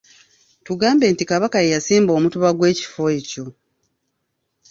Tugambe nti Kabaka ye yasimba omutuba gw'ekifo ekyo.